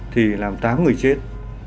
thì làm tám người chết